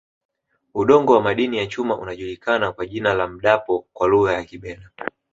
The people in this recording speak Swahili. Udongo wa madini ya chuma unajulikana kwa jina la Mdapo kwa Lugha ya Kibena